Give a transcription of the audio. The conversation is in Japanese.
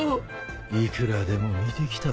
いくらでも見てきたろ。